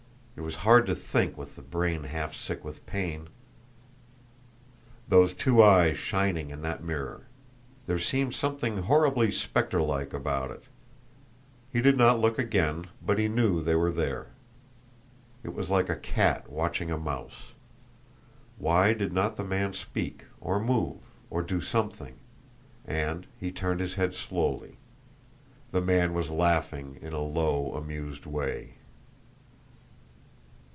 It was hard to think with the brain half sick with pain. Those two eyes shining in that mirror! There seemed something horribly spectre like about it. He did not look again, but he knew they were there. It was like a cat watching a mouse. Why did not the man speak, or move, or do something, and He turned his head slowly; the man was laughing in a low, amused way.